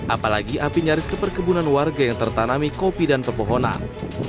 apalagi api nyaris ke perkebunan warga yang tertanami kopi dan pepohonan